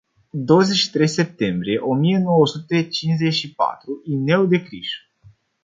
Douăzeci și trei septembrie o mie nouă sute cincizeci și patru, Ineu de Criș.